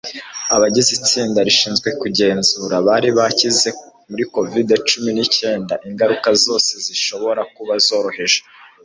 abagize itsinda rishinzwe kugenzura bari bakize muri covid-cumi n’icyenda Ingaruka zose zishobora kuba zoroheje